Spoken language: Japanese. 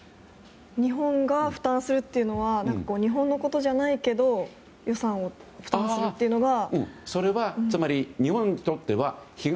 日本が負担するというのは日本のことじゃないけど予算を負担するというのは。